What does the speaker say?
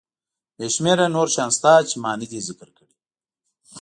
بې شمېره نور شیان شته چې ما ندي ذکر کړي.